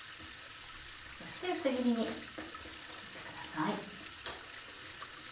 そして薄切りに切ってください。